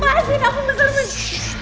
lepaskan aku besar besar